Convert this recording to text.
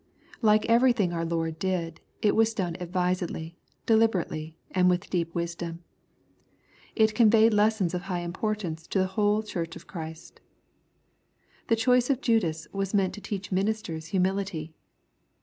Like everything which our Lord did, it was done advisedly, deliberately, and with deep wisdom. It conveyed lessons of high importance to the whole Church of Christ. The choice of Judas was meant to teach ministers humility.